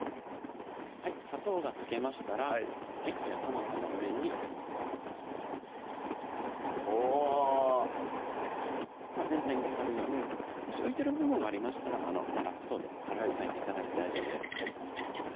砂糖が溶けましたらトマトの上におぉ全体に漬かるようにもし浮いてる部分ありましたらラップ等で軽く押さえて頂いて大丈夫です